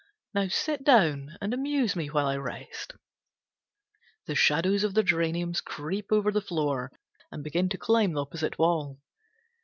Now sit down and amuse me while I rest." The shadows of the geraniums creep over the floor, and begin to climb the opposite wall.